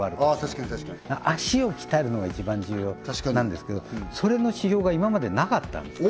確かに確かに脚を鍛えるのが一番重要なんですけどそれの指標が今までなかったんです